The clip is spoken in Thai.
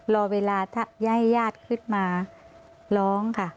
รอเวลาถ้าให้ญาติขึ้นมาร้องค่ะ